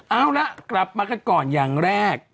เอาละกลับมากันก่อนอย่างแรก